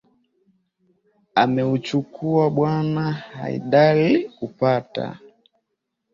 ameuchukua bwana haidal kupata